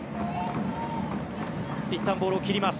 いったんボールを切ります。